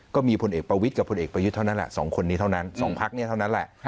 ก็มีพลเอกประวิทย์กับพลเอกประยุทธ์เท่านั้นแหละ๒คนนี้เท่านั้น๒พักนี้เท่านั้นแหละ